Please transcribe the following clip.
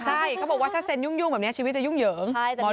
ใช่เขาบอกว่าถ้าเซ็นยุ่งแบบนี้ชีวิตจะยุ่งเหยิง